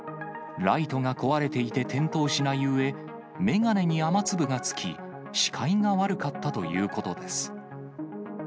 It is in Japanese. ライトが壊れていて点灯しないうえ、眼鏡に雨粒が付き、視界が悪かったということです。